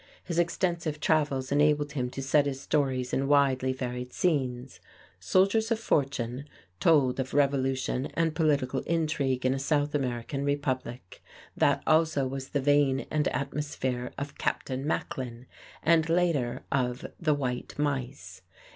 His extensive travels enabled him to set his stories in widely varied scenes. "Soldiers of Fortune" told of revolution and political intrigue in a South American republic. That also was the vein and atmosphere of "Captain Macklin" and later of "The White Mice."